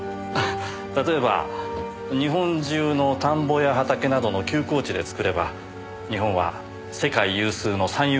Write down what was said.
例えば日本中の田んぼや畑などの休耕地で作れば日本は世界有数の産油国になれるはずです。